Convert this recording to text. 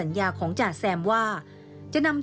ทีมข่าวของเรานำเสนอรายงานพิเศษ